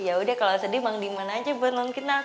yaudah kalo sedih mang diman aja buat nongkin asal